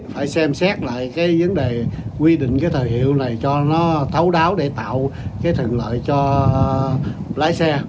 phải xem xét lại cái vấn đề quy định cái thời hiệu này cho nó thấu đáo để tạo cái thuận lợi cho lái xe